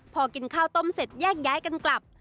พอกินข้าวต้มเสร็จแยกย้ายกันกลับ